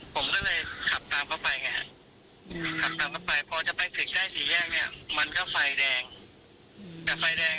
ผมก็เลยขับตามเข้าไปขับตามเข้าไปพอจะไปถึงใกล้สี่แยกมันก็ไฟแดง